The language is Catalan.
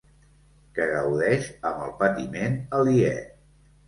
Que gaudeix amb el patiment aliè.